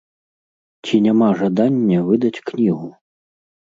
Ці няма жадання выдаць кнігу?